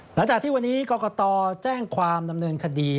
หลังจากที่วันนี้กรกตแจ้งความดำเนินคดี